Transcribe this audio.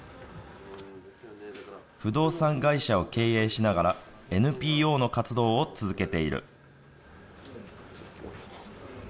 不動産会社を経営しながら、ＮＰＯの活動を続けている。